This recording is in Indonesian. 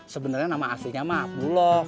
sebenarnya nama aslinya ma'ab dulo